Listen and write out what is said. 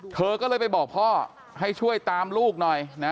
เธอก็เลยไปบอกพ่อให้ช่วยตามลูกหน่อยนะ